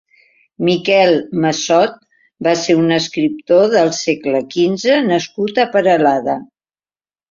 Miquel Massot va ser un escriptor del segle quinze nascut a Peralada.